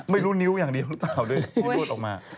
ไม่รู้นิ้วอย่างเดียวหรือเปล่าด้วยที่รวดออกมา